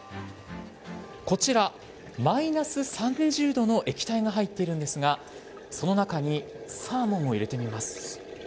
こちら、マイナス３０度の液体が入っているんですが、その中にサーモンを入れてみます。